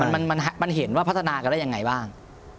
มันเห็นว่าพัฒนากันได้ยังไงบ้าง